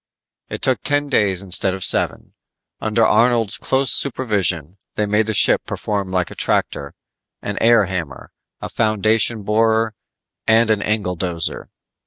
It took ten days instead of seven. Under Arnold's close supervision, they made the ship perform like a tractor, an air hammer, a foundation borer and an angledozer.